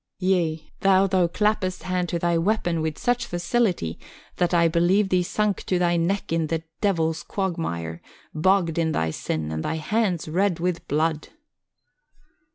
Yea, though thou clappest hand to thy weapon with such facility that I believe thee sunk to thy neck in the Devil's quagmire, bogged in thy sin, and thy hands red with blood."